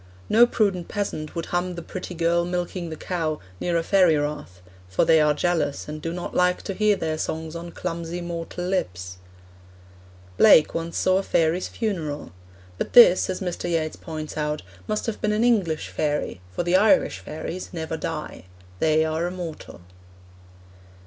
No prudent peasant would hum The Pretty Girl Milking the Cow near a fairy rath, 'for they are jealous, and do not like to hear their songs on clumsy mortal lips.' Blake once saw a fairy's funeral. But this, as Mr. Yeats points out, must have been an English fairy, for the Irish fairies never die; they are immortal.